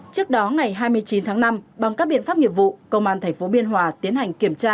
trước đó ngày hai mươi chín tháng năm bằng các biện pháp nghiệp vụ công an tp biên hòa tiến hành kiểm tra